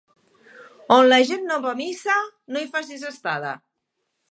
On la gent no va a missa, no hi facis estada.